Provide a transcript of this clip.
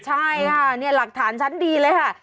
ใช่ค่ะนี่หลักฐานชั้นดีเลยค่ะ